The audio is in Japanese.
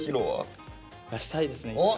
したいですねいつか。